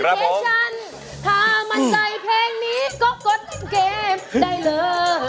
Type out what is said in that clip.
ถ้ามันใส่เพลงนี้ก็กดเกมได้เลย